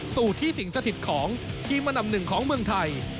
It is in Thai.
สู่ที่สิงสถิตของทีมอันดับหนึ่งของเมืองไทย